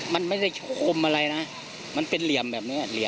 มันไม่ได้โคมอะไรนะมันเป็นเหลี่ยมเหลราเหล็ก